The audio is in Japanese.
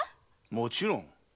もちろん。